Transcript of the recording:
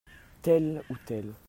Telle ou telle.